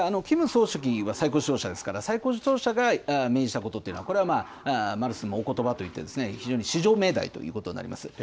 キム総書記は最高指導者ですから、最高指導者が命じたことっていうのは、これはまあ、のおことばといって、非常に至上命題ということになります。